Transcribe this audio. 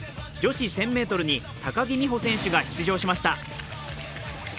女子１０００ｍに高木美帆選手が出場しました。